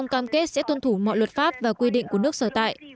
cam kết sẽ tuân thủ mọi luật pháp và quy định của nước sở tại